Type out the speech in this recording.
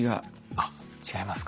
あっ違いますか？